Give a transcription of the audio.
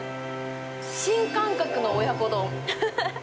新感覚の親子丼。